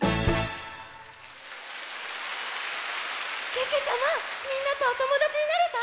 けけちゃまみんなとおともだちになれた？